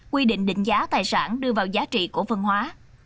quy định định giá tài sản đưa vào giá trị của văn hóa